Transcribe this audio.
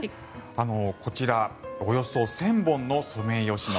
こちら、およそ１０００本のソメイヨシノ